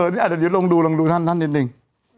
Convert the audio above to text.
นี่อาจจะเดี๋ยวลงดูลงดูท่านท่านจริงจริง